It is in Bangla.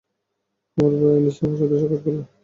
আমার ভাই আনীস আমার সাথে সাক্ষাৎ করল।